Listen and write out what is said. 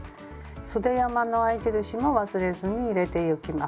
そで山の合印も忘れずに入れてゆきます。